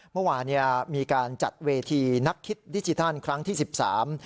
เมื่อวานเนี่ยมีการจัดเวทีนักคิดดิจิทัลครั้งที่สิบสาม